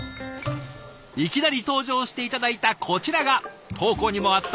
いきなり登場して頂いたこちらが投稿にもあった